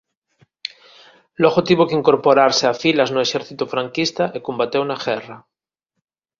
Logo tivo que incorporarse a filas no exército franquista e combateu na guerra.